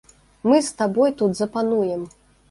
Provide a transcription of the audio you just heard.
Мы з табой тут запануем.